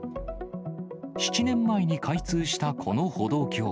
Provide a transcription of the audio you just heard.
７年前に開通したこの歩道橋。